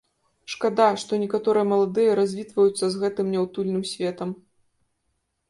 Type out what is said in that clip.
Шкада, што некаторыя маладыя развітваюцца з гэтым няўтульным светам.